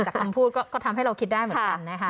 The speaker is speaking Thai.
คำพูดก็ทำให้เราคิดได้เหมือนกันนะคะ